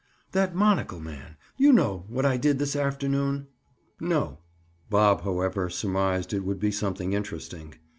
"That monocle man. You know what I did this afternoon?" "No." Bob, however, surmised it would be something interesting.